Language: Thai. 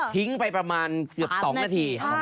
ทิ้งไปประมาณเกือบ๒นาที